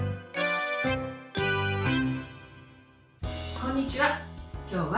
こんにちは。